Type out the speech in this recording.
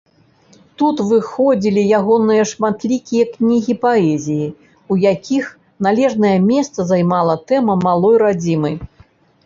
Тут выходзілі ягоныя шматлікія кнігі паэзіі, у якіх належнае месца займала тэма малой радзімы.